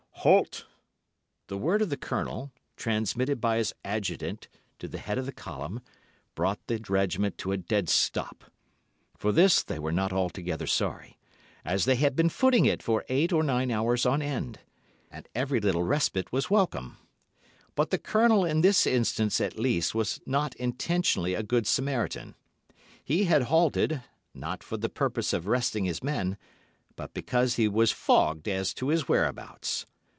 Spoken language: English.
"Halt!" The word of the Colonel, transmitted by his adjutant to the head of the column, brought the O——s to a dead stop. For this they were not altogether sorry, as they had been footing it for eight or nine hours on end—and every little respite was welcome. But the Colonel in this instance, at least, was not intentionally a good Samaritan. He had halted, not for the purpose of resting his men, but because he was fogged as to his whereabouts.